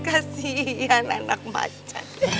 kasihan anak macan